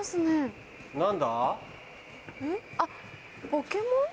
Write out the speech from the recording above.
あっポケモン？